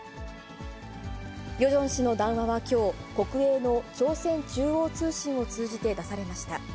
ヨジョン氏の談話はきょう、国営の朝鮮中央通信を通じて出されました。